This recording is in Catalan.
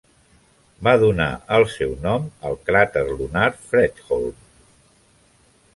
Va donar el seu nom al cràter lunar Fredholm.